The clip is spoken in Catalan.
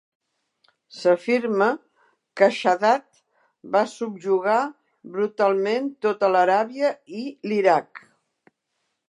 S'afirma que Shaddad va subjugar brutalment tota l'Aràbia i l'Iraq.